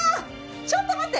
ちょっと待って！